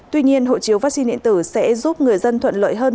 tuy nhiên hộ chiếu vaccine điện tử sẽ giúp người dân thuận lợi hơn